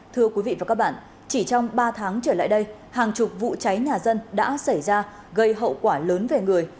thưa quý vị và các bạn chỉ trong ba tháng trở lại đây hàng chục vụ cháy nhà dân đã xảy ra gây hậu quả lớn về người